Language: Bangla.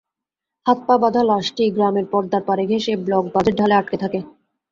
হাত-পা বাঁধা লাশটি গ্রামের পদ্মার পাড় ঘেঁষে ব্লক বাঁধের ঢালে আটকে থাকে।